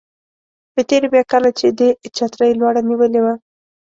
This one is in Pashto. په تېره بیا کله چې دې چترۍ لوړه نیولې وه.